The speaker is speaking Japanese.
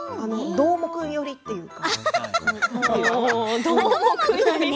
どーもくん寄りというかね。